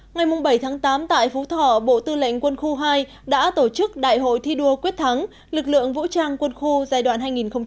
ngày bảy tám tại phú thỏ bộ tư lệnh quân khu hai đã tổ chức đại hội thi đua quyết thắng lực lượng vũ trang quân khu giai đoạn hai nghìn một mươi bốn hai nghìn một mươi chín